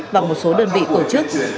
và một số đơn vị tổ chức